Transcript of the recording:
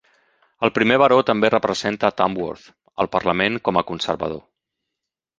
El primer baró també representà Tamworth al Parlament com a conservador.